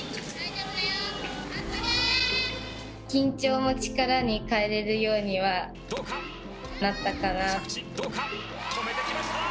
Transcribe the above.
緊張も力に変えれるようにはなったかな。